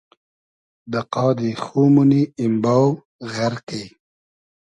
دۂ قادی خو مونی ایمباو ، غئرقی